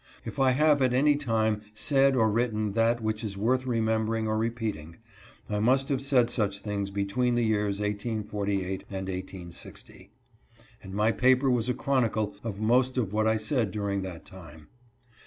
If I have at any time said or written that which is worth remember ing or repeating, I must have said such things between the years 1848 and 1860, and my paper was a chronicle of most of what I said during that time.